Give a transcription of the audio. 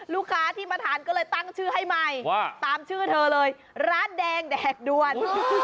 ลูกค้าที่มาทานก็เลยตั้งชื่อให้ใหม่ว่าตามชื่อเธอเลยร้านแดงแดกด้วน